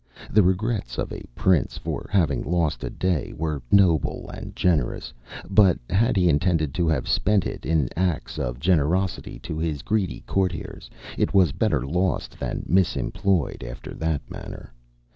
The regrets of a prince, for having lost a day, were noble and generous; but had he intended to have spent it in acts of generosity to his greedy courtiers, it was better lost than misemployed after that manner....